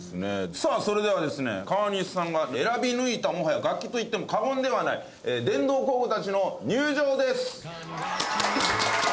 さあそれではですね川西さんが選び抜いたもはや楽器と言っても過言ではない電動工具たちの入場です！